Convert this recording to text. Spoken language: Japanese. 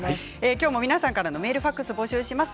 きょうも皆さんからのメール、ファックス募集します。